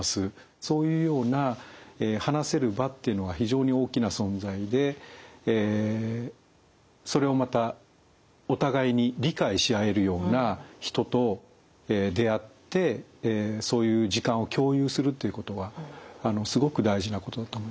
そういうような話せる場っていうのが非常に大きな存在でそれをまたお互いに理解し合えるような人と出会ってそういう時間を共有するっていうことはすごく大事なことだと思いますね。